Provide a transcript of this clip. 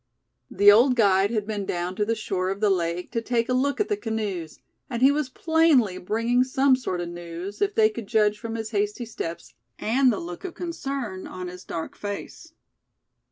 The old guide had been down to the shore of the lake to take a look at the canoes; and he was plainly bringing some sort of news, if they could judge from his hasty steps; and the look of concern on his dark face.